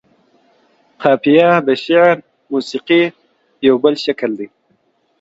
قافيه د شعر موسيقۍ يو بل شکل دى.